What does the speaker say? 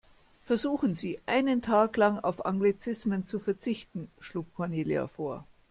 Versuchen Sie, einen Tag lang auf Anglizismen zu verzichten, schlug Cornelia vor.